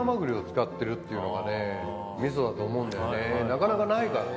なかなかないからね。